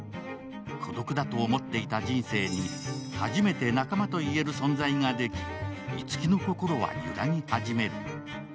孤独だと思っていた人生に初めて仲間と言える存在ができ、樹の心は揺らぎ始める。